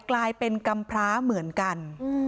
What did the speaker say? กลายเป็นกำพร้าเหมือนกัน